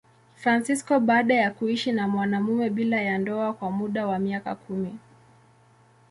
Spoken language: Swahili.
Fransisko baada ya kuishi na mwanamume bila ya ndoa kwa muda wa miaka kumi.